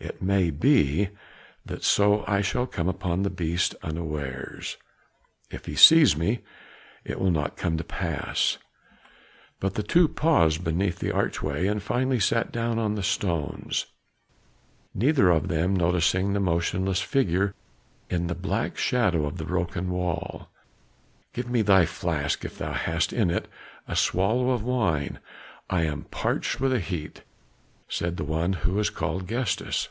"It may be that so I shall come upon the beast unawares; if he sees me, it will not come to pass." But the two paused beneath the archway, and finally sat down on the stones, neither of them noticing the motionless figure in the black shadow of the broken wall. "Give me thy flask if thou hast in it a swallow of wine; I am parched with the heat," said the one who was called Gestas.